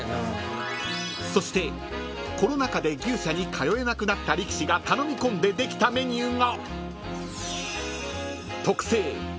［そしてコロナ禍で牛車に通えなくなった力士が頼み込んでできたメニューが］